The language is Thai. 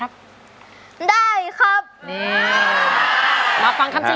เบิ้งคงยังผ่านไป